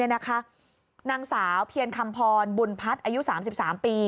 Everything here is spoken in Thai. นางสาวเพียรคำพรบุญพัฒน์อายุ๓๓ปี